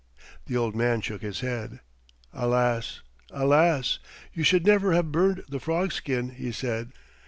The old man shook his head. "Alas! alas! You should never have burned the frog skin!" he said.